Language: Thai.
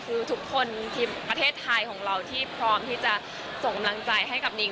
คือทุกคนทีมประเทศไทยของเราที่พร้อมที่จะส่งกำลังใจให้กับนิ้ง